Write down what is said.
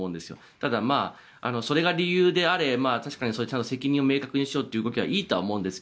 ただ、それが理由であれちゃんと責任を明確にしようという動きはいいと思うんですが